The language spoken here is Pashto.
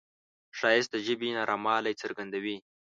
ښایست د ژبې نرموالی څرګندوي